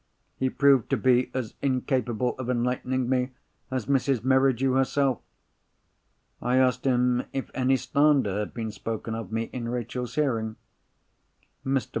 He proved to be as incapable of enlightening me as Mrs. Merridew herself. I asked him if any slander had been spoken of me in Rachel's hearing. Mr.